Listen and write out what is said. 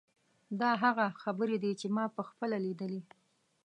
دا هغه خبرې دي چې ما په خپله لیدلې.